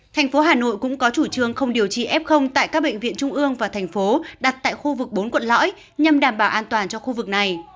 thành phố hà nội cũng có chủ trương không điều trị f tại các bệnh viện trung ương và thành phố đặt tại khu vực bốn quận lõi nhằm đảm bảo an toàn cho khu vực này